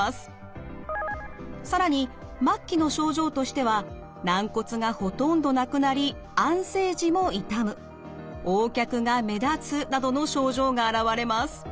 更に末期の症状としては軟骨がほとんどなくなり安静時も痛むＯ脚が目立つなどの症状が現れます。